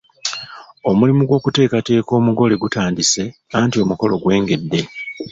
Omulimu gw’okuteekateeka omugole gutandise anti omukolo gwengedde.